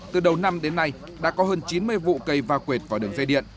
từ đầu năm đến nay đã có hơn chín mươi vụ cây va quệt vào đường dây điện